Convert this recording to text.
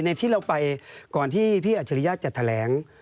ที่เราไปก่อนที่พี่อัจฉริยะจะแถลง